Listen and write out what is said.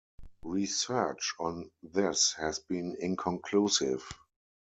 Research on this has been inconclusive.